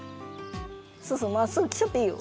そうそうまっすぐきっちゃっていいよ。